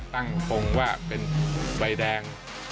ตั้งพงว่าเป็นวัยแดง